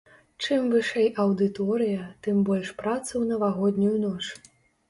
Чым вышэй аўдыторыя, тым больш працы ў навагоднюю ноч.